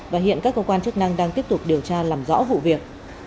và hiện các cơ quan chức năng đang tiếp tục điều tra làm rõ vụ việc